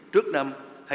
bước năm hai nghìn ba mươi